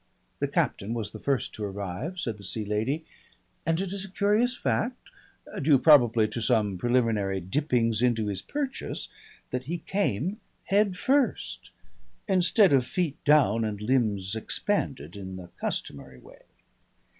The captain was the first to arrive, said the Sea Lady, and it is a curious fact, due probably to some preliminary dippings into his purchase, that he came head first, instead of feet down and limbs expanded in the customary way....